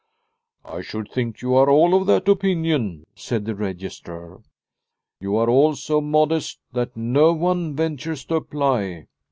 " I should think you are all of that opinion," 156 Liliecrona's Home said the registrar. " You are all so modest that no one ventures to apply.